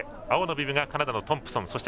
青のビブがカナダのトンプソン。